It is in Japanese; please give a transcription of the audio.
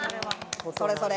それそれ。